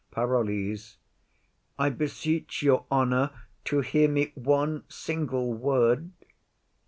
PAROLLES. I beseech your honour to hear me one single word.